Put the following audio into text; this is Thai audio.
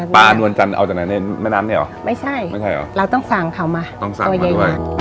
นวลจันทร์เอาจากไหนในแม่น้ำเนี่ยเหรอไม่ใช่ไม่ใช่เหรอเราต้องสั่งเขามาต้องสั่งตัวใหญ่ด้วย